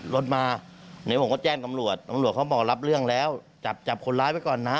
รถมาเดี๋ยวผมก็แจ้งตำรวจตำรวจเขาบอกรับเรื่องแล้วจับจับคนร้ายไว้ก่อนนะ